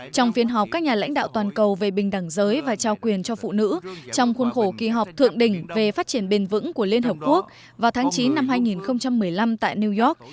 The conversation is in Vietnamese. trong phiên họp các nhà lãnh đạo toàn cầu về bình đẳng giới và trao quyền cho phụ nữ trong khuôn khổ kỳ họp thượng đỉnh về phát triển bền vững của liên hợp quốc vào tháng chín năm hai nghìn một mươi năm tại new york